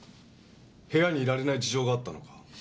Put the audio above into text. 部屋にいられない事情があったのか？